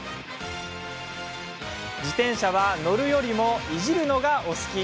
自転車は乗るよりもいじるのがお好き。